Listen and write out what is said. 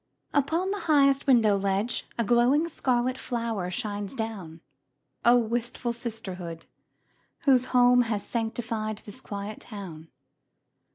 Upon the highest window ledge A glowing scarlet flower shines down. Oh, wistful sisterhood, whose home Has sanctified this quiet town!